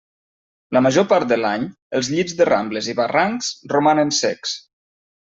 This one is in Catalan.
La major part de l'any els llits de rambles i barrancs romanen secs.